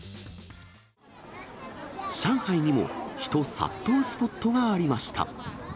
上海にも人殺到スポットがありました。